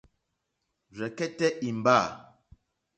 Rzɛ̀kɛ́tɛ́ ìmbâ.